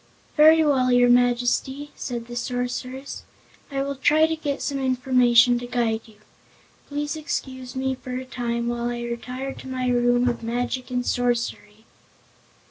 "Very well, your Majesty," said the Sorceress, "I will try to get some information to guide you. Please excuse me for a time, while I retire to my Room of Magic and Sorcery."